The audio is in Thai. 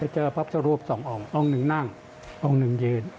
เจอพระพุทธรูปสององค์องค์หนึ่งนั่งองค์หนึ่งยืน